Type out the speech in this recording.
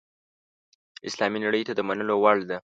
اسلامي نړۍ ته د منلو وړ ده.